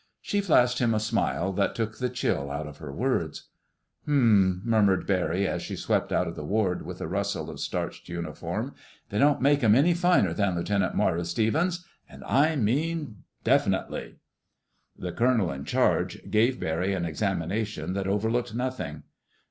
She flashed him a smile that took the chill out of her words. "Hmmm!" murmured Barry as she swept out of the ward with a rustle of starched uniform. "They don't make 'em any finer than Lieutenant Moira Stevens. And I mean, definitely!" The colonel in charge gave Barry an examination that overlooked nothing.